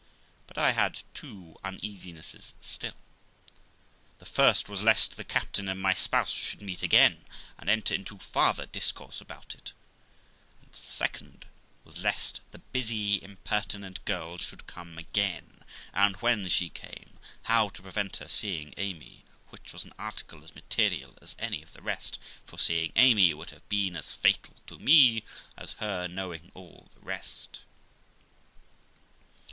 But I had two uneasinesses still; the first was lest the captain and my spouse should meet again, and enter into farther discourse about it ; and the second was lest the busy, impertinent girl should come again, and, when she came, how to prevent her seeing Amy, which was an article as material as any of the rest; for seeing Amy would have been as fatal to me as her knowing all the rest.